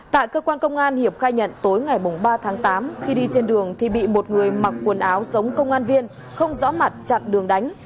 tại cơ quan công an hiệp khai nhận tối ngày ba tháng tám khi đi trên đường thì bị một người mặc quần áo sống công an viên không rõ mặt chặn đường đánh